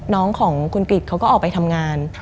น้องของคุณกริจเขาก็ออกไปทำงาน